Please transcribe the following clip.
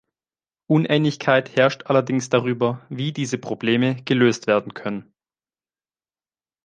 Uneinigkeit herrscht allerdings darüber, wie diese Probleme gelöst werden können.